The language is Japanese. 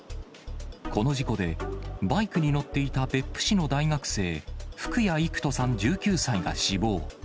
この事故でバイクに乗っていた別府市の大学生、福谷郁登さん１９歳が死亡。